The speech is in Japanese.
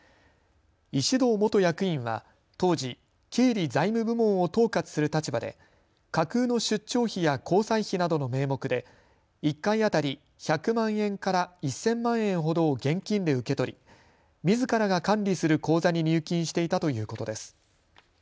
石動元役員は当時、経理・財務部門を統括する立場で架空の出張費や交際費などの名目で１回当たり１００万円から１０００万円ほどを現金で受け取りみずからが管理する口座に入金していたということです。